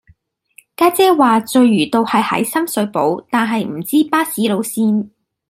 家姐話聚魚道係喺深水埗但係唔知巴士路線